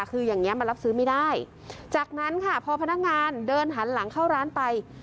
คืออย่างเงี้มันรับซื้อไม่ได้จากนั้นค่ะพอพนักงานเดินหันหลังเข้าร้านไป